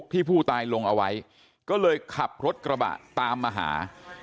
ที่ผู้ตายลงเอาไว้ก็เลยขับรถกระบะตามมาหา